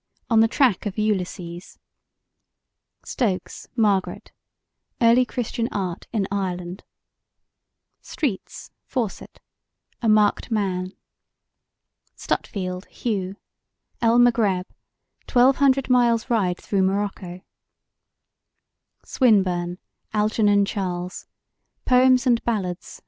On the Track of Ulysses STOKES, MARGARET: Early Christian Art in Ireland STREETS, FAUCET: A Marked Man STUTFIELD, HUGH: El Magreb: Twelve Hundred Miles' Ride through Morocco SWINBURNE, ALGERNON CHARLES: Poems and Ballads.